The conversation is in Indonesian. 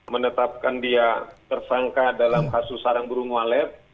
menetapkan dia tersangka dalam kasus sarang burung walet